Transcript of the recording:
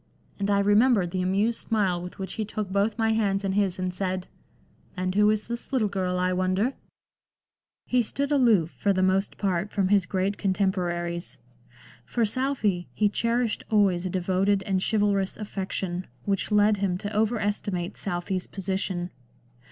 And I remember the amused smile with which he took both my hands in his and said —' And who is this little girl, I wonder %'" He stood aloof for the most part from his great contem poraries. For Southey he cherished always a devoted and chivalrous affection which led him to over estimate Southey's position.